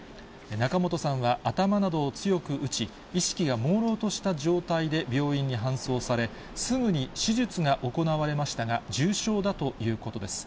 仲本さんは頭などを強く打ち、意識がもうろうとした状態で病院に搬送され、すぐに手術が行われましたが、重傷だということです。